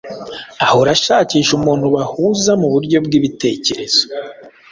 ahora ashakisha umuntu bahuza mu buryo bw'ibitekerezo